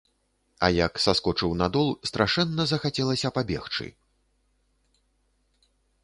А як саскочыў на дол, страшэнна захацелася пабегчы.